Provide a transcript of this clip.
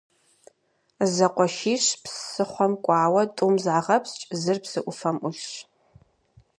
Зэкъуэшищ псыхъуэм кӀуауэ, тӀум загъэпскӀ, зыр псы Ӏуфэм Ӏулъщ.